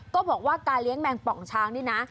ก็บอกว่าการเลี้ยงแมงป่องช้างนี่นะ